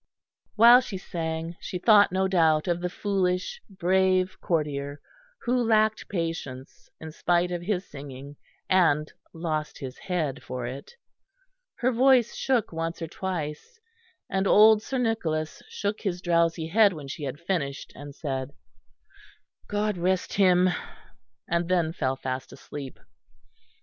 While she sang, she thought no doubt of the foolish brave courtier who lacked patience in spite of his singing, and lost his head for it; her voice shook once or twice: and old Sir Nicholas shook his drowsy head when she had finished, and said "God rest him," and then fell fast asleep.